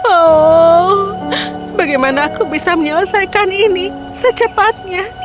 oh bagaimana aku bisa menyelesaikan ini secepatnya